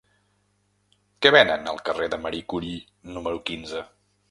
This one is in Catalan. Què venen al carrer de Marie Curie número quinze?